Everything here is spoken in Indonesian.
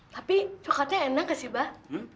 tapi coklatnya enak nggak sih mbah